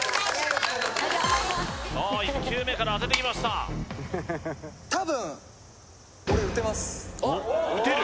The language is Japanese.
さあ１球目から当ててきました打てる！？